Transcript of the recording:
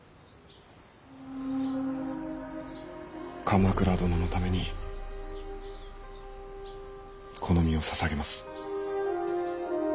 鎌倉殿のためにこの身を捧げます。